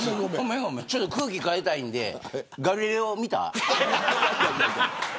ちょっと空気変えたいんでガリレオ見た。